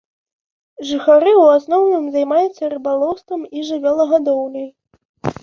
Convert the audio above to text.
Жыхары ў асноўным займаюцца рыбалоўствам і жывёлагадоўляй.